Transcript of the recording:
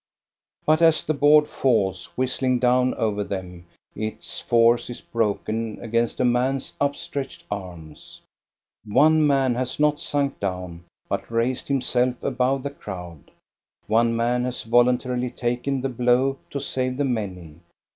But as the board falls whistling down over them, 432 THE STORY OF GOSTA BE RUNG its force is broken against a man's upstretched arms. One man has not sunk down, but raised himself above the crowd, one man has voluntarily taken the blow to save the many.